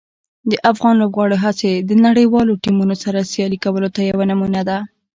د افغان لوبغاړو هڅې د نړیوالو ټیمونو سره سیالي کولو ته یوه نمونه ده.